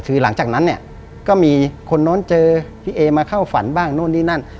คือหลังจากนั้นเนี่ยก็มีคนโน้นเจอพี่เอมาเข้าฝันบ้างโน่นนี่นั่น